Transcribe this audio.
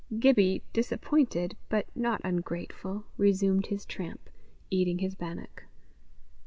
Gibbie, disappointed, but not ungrateful, resumed his tramp, eating his bannock.